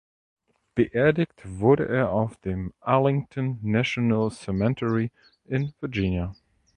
Beerdigt wurde er auf dem Arlington National Cemetery in Virginia.